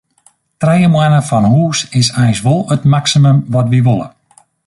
Trije moanne fan hûs is eins wol it maksimum wat wy wolle.